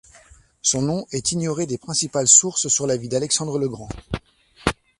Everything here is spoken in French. Son nom est ignoré des principales sources sur la vie d'Alexandre le Grand.